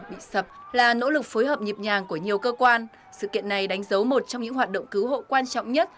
bị sập là nỗ lực phối hợp nhịp nhàng của nhiều cơ quan sự kiện này đánh dấu một trong những hoạt động cứu hộ quan trọng nhất